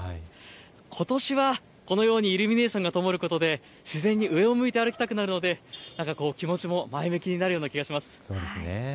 ことしは、このようにイルミネーションがともることで自然に上を向いて歩きたくなるので気持ちも前向きになるような気がします。